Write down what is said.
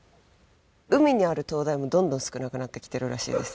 海にある灯台もどんどん少なくなってきてるらしいです。